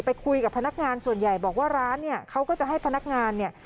ไปคุยกับพนักงานส่วนใหญ่บอกว่าร้านเนี่ยเขาก็จะให้พนักงานเนี่ย